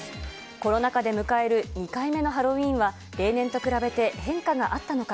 コロナ禍で迎える２回目のハロウィーンは例年と比べて変化があったのか。